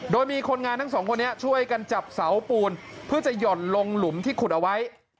โดยมีคนงานทั้งสองคนนี้ช่วยกันจับเสาปูนเพื่อจะหย่อนลงหลุมที่ขุดเอาไว้